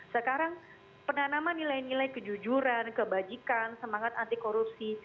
sekarang penanaman nilai nilai kejujuran kebajikan semangat anti korupsi